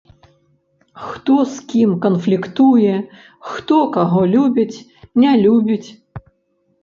Хто з кім канфліктуе, хто каго любіць, не любіць.